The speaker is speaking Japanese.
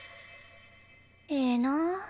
ええなあ。